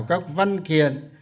các văn kiện